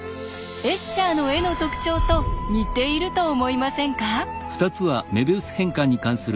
エッシャーの絵の特徴と似ていると思いませんか？